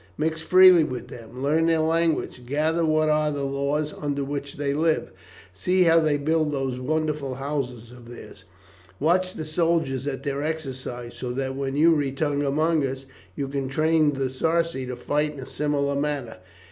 Mix freely with them, learn their language, gather what are the laws under which they live, see how they build those wonderful houses of theirs, watch the soldiers at their exercises, so that when you return among us you can train the Sarci to fight in a similar manner.